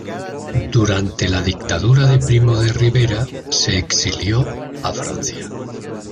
Durante la dictadura de Primo de Rivera se exilió a Francia.